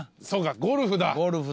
そうかゴルフだ。